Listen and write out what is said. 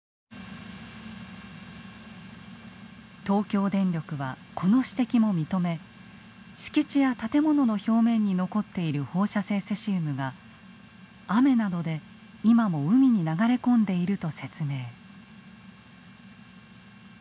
東京電力はこの指摘も認め敷地や建物の表面に残っている放射性セシウムが雨などで今も海に流れ込んでいると説明。